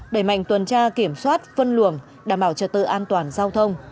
đẩy mạnh tuần tra kiểm soát phân luồng đảm bảo trật tự an toàn giao thông